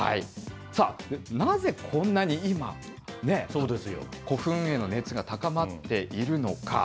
なぜこんなに今、古墳への熱が高まっているのか。